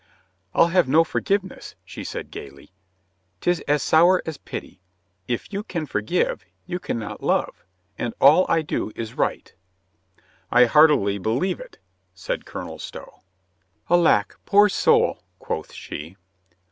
"I'll have no forgiveness," said she gaily. " 'Tis as sour as pity. If you can forgive, you can not love. And all I do is right." "I heartily believe it," said Colonel Stow. "Alack, poor soul," quoth she.